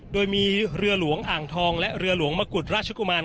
โดยมีเรือหลวงอ่างทองและเรือหลวงมะกุฎราชกุมาร